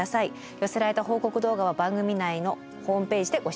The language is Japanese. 寄せられた報告動画は番組内のホームページでご紹介しています。